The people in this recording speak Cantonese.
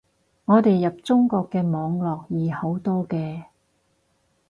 我哋入中國嘅網絡易好多嘅